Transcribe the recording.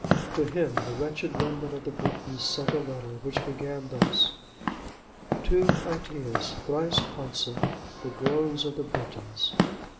To him the wretched remnant of the Britons sent a letter, which began thus:—"To Aetius, thrice Consul, the groans of the Britons."